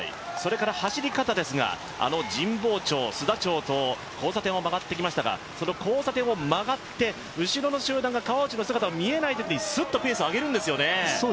走り方ですが、神保町、須田町と交差点を曲がってきましたが、交差点を曲がって、後ろの集団が川内選手が見えないと、すっとペースを上げるんですよね。